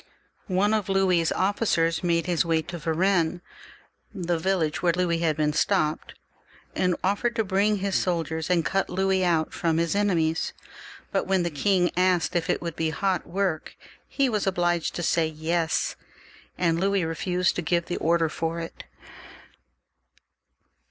One of XLViii.] THE REVOLUTION, 397 Louis's officers made his way to Varennes, the village where Louis had been stopped, and offered to bring his soldiers and cut Louis out from Ms enemies, but when the king asked if it would be hot work, he was obliged to say yes, and Louis refused to give the order for it.